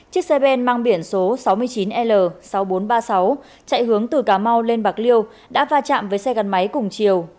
chiếc xe ben mang biển số sáu mươi chín l sáu nghìn bốn trăm ba mươi sáu chạy hướng từ cà mau lên bạc liêu đã va chạm với xe gắn máy cùng chiều